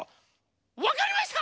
わかりました！